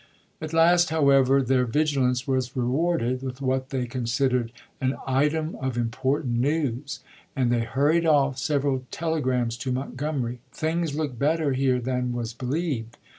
At last, however, their vigilance was rewarded with what they considered an item of important news, and they hurried off several telegrams to Montgomery: "Things look better here than was believed."